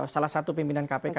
salah satu pimpinan kpk